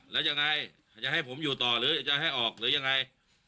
แล้วยังไงจะให้ผมอยู่ต่อหรือจะให้ออกหรือยังไง